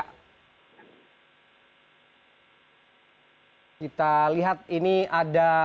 kita lihat ini ada